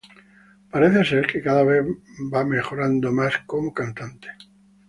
Parece ser que cada vez va mejorando más como cantante.